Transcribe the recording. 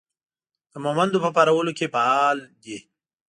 د مهمندو په پارولو کې فعال دی.